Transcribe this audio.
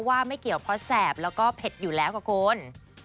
ว่าไม่เกี่ยวเพราะแสบแล้วก็เผ็ดอยู่แล้วค่ะคุณ